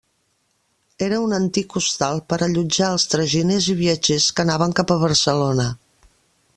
Era un antic hostal per allotjar els traginers i viatgers que anaven cap a Barcelona.